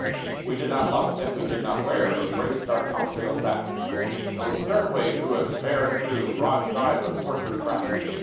We did not luff and we did not wear, But braced our topsails back, Till the sternway drew us fair and true Broadsides athwart her track.